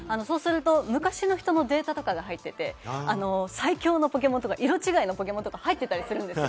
昔の人のデータとかが入ってて、最強のポケモンとか色違いのポケモンとか入ってたりするんですよ。